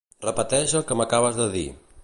Repeteix el que m'acabes de dir.